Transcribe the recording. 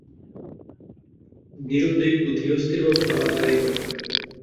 নিরুদ্বেগ ও ধিরস্থিরভাবে নামাজ আদায় করেন।